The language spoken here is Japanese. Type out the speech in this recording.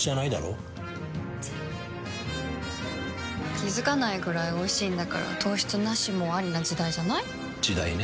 気付かないくらいおいしいんだから糖質ナシもアリな時代じゃない？時代ね。